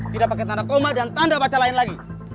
tidak pakai tanda koma dan tanda baca lain lagi